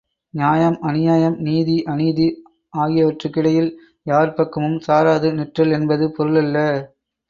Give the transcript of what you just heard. நியாயம் அநியாயம், நீதி அநீதி ஆகியவற்றுக்கிடையில் யார் பக்கமும் சாராது நிற்றல் என்பது பொருளல்ல.